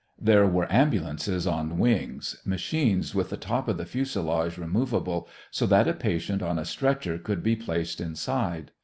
There were ambulances on wings machines with the top of the fuselage removable so that a patient on a stretcher could be placed inside.